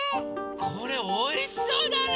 これおいしそうだね！